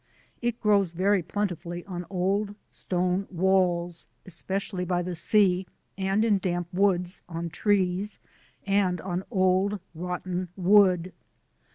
It grows very plentifully on old stone walls, especially by the sea, and in damp woods, on trees, and on old rotten wood.